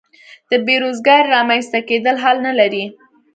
د بې روزګارۍ رامینځته کېدل حل نه لري.